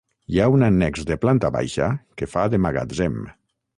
Hi ha un annex de planta baixa, que fa de magatzem.